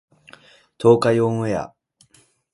東海オンエア